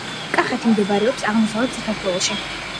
კახეთი მდებარეობს აღმოსავლეთ საქართველოში